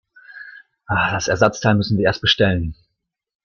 Das Ersatzteil müssten wir erst bestellen.